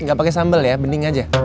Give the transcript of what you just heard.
gapake sambel ya bening aja